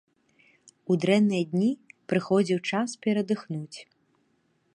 У дрэнныя дні прыходзіў час перадыхнуць.